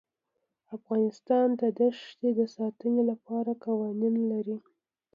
افغانستان د دښتې د ساتنې لپاره قوانین لري.